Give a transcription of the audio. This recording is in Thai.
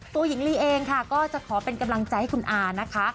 หญิงลีเองค่ะก็จะขอเป็นกำลังใจให้คุณอานะคะ